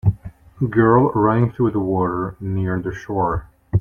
Girl running through the water near the shore.